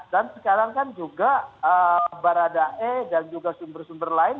dan sekarang kan juga baradae dan juga sumber sumber lain